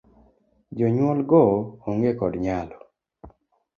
Jonyuol go ong'e kod nyalo.